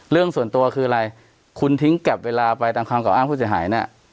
เรื่องส่วนตัวคืออะไรคุณทิ้งกลับเวลาไปตามคำกล่าอ้างผู้เสียหายเนี่ย